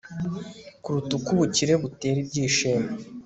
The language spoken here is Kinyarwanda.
kuruta uko ubukire butera ibyishimo